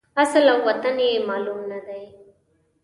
اصل او وطن یې معلوم نه دی.